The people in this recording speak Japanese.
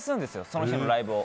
その日のライブを。